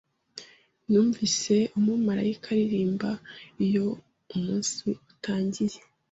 Numvise Umumarayika aririmba Iyo umunsi utangiye